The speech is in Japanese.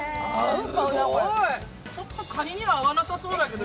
ちょっと、かにには合わなさそうだけど。